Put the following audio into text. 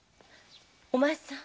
お前さん。